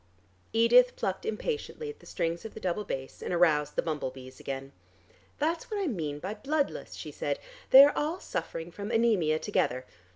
Edith plucked impatiently at the strings of the double bass, and aroused the bumblebees again. "That's what I mean by bloodless," she said. "They are all suffering from anemia together.